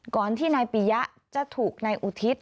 ก่อนที่นายปียะจะถูกนายอุทิศ